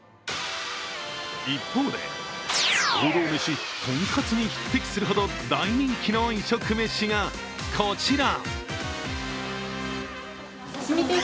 一方で、王道メシ・とんかつに匹敵するほど大人気の異色メシがこちら。